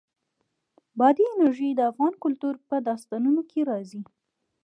بادي انرژي د افغان کلتور په داستانونو کې راځي.